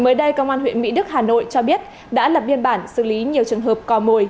mới đây công an huyện mỹ đức hà nội cho biết đã lập biên bản xử lý nhiều trường hợp cò mồi